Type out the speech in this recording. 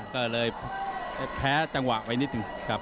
ก็เลยแพ้จังหวะไปนิดหนึ่งครับ